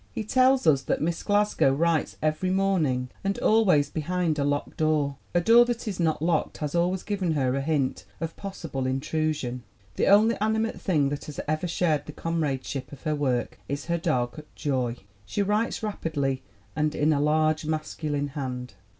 He tells us that Miss Glasgow writes every morning and always behind a locked door ; "a door that is not locked has always given her a hint of possible intrusion. The only animate thing that has ever shared the com radeship of her work is her dog, Joy. She writes rapidly and in a large, masculine hand."